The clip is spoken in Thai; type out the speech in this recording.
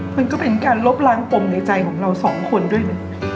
มันก็เป็นการลบล้างปมในใจของเราสองคนด้วยนะ